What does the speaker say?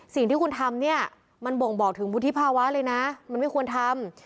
สิ่งที่คุณทำเนี่ยมันบ่งบอกถึงวุฒิภาวะเลยนะมันไม่ควรทำ